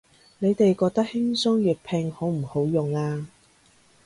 你哋覺得輕鬆粵拼好唔好用啊